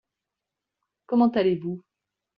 Comment allez-vous ?